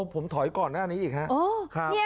ผมถอยก่อนหน้านี้อีกครับ